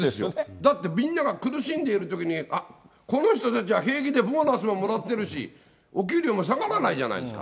だってみんなが苦しんでいるときに、この人たちは平気でボーナスももらってるし、お給料も下がらないじゃないですか。